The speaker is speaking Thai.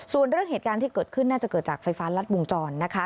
ส่วนเรื่องเหตุการณ์ที่เกิดขึ้นน่าจะเกิดจากไฟฟ้ารัดวงจรนะคะ